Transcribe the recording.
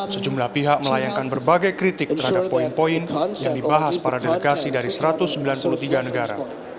sejumlah pihak melayangkan berbagai kritik terhadap poin poin yang dibahas para delegasi dari satu ratus sembilan puluh tiga negara